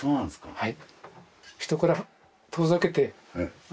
はい。